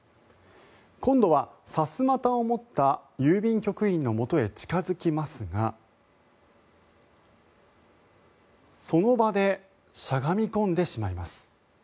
今度はさすまたを持った郵便局員のもとへ近付きますがその場でしゃがみ込んでしまいます。